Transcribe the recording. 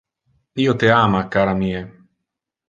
Io te ama, cara mie.